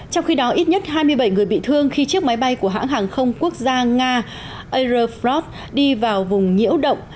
trong khi đó ít nhất hai mươi bảy người bị thương khi chiếc máy bay của hãng hàng không quốc gia nga aerflot đi vào vùng nhiễu động